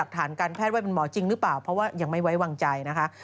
ฐานการแพทย์ว่าเป็นหมอจริงหรือเปล่าเพราะว่ายังไม่ไว้วางใจนะคะ